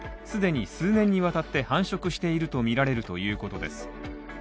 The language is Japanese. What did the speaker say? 既に数年にわたって繁殖しているとみられるということです。